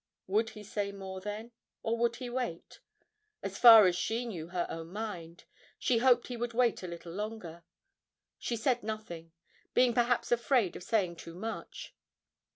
Would he say more then, or would he wait? As far as she knew her own mind, she hoped he would wait a little longer. She said nothing, being perhaps afraid of saying too much.